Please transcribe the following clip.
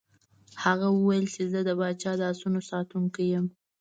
هغه وویل چې زه د پاچا د آسونو ساتونکی یم.